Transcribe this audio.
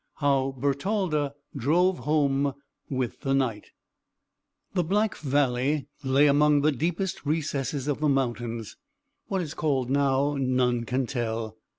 XIV. HOW BERTALDA DROVE HOME WITH THE KNIGHT The Black Valley lay among the deepest recesses of the mountains. What it is called now none can tell.